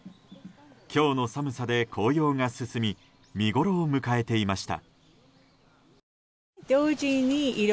今日の寒さで紅葉が進み見ごろを迎えていました。